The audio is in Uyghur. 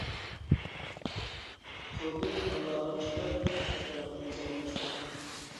تۇردى تالاغا چىقىپ ئەتراپقا نەزەر تاشلىدى.